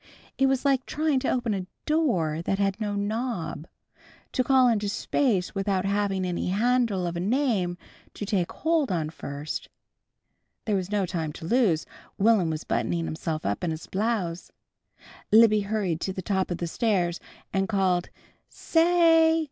It was like trying to open a door that had no knob, to call into space without having any handle of a name to take hold of first. There was no time to lose. Will'm was buttoning himself up in his blouse. Libby hurried to the top of the stairs and called: "Sa ay!"